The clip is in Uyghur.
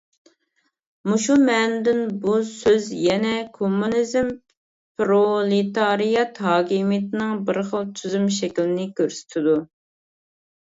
مۇشۇ مەنىدىن بۇ سۆز يەنە كوممۇنىزم، پىرولېتارىيات ھاكىمىيىتىنىڭ بىر خىل تۈزۈم شەكلىنى كۆرسىتىدۇ.